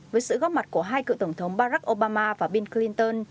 với sự góp mặt của hai cựu tổng thống barack obama và bill clinton